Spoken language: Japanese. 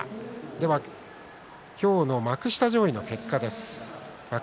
では今日の幕下上位の結果です。